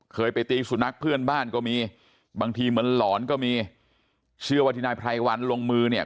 เคยไปตีสุนัขเพื่อนบ้านก็มีบางทีเหมือนหลอนก็มีเชื่อว่าที่นายไพรวันลงมือเนี่ย